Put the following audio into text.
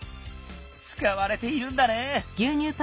つかわれているんだね。